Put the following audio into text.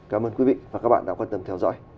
cảm ơn quý vị và các bạn đã quan tâm theo dõi